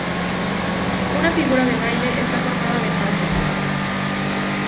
Una figura de baile está formada de "pasos".